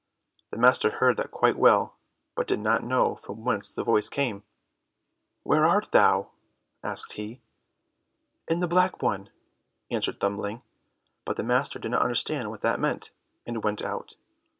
The master heard that quite well, but did not know from whence the voice came. "Where art thou?" asked he. "In the black one," answered Thumbling, but the master did not understand what that meant, and went out.